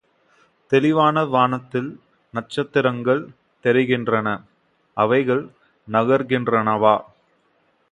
தெளிவான வானத்தில் நட்சத்திரங்கள் தெரிகின்றன! அவைகள் நகருகின்றனவா?